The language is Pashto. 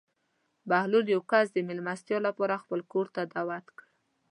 بهلول یو کس د مېلمستیا لپاره خپل کور ته دعوت کړ.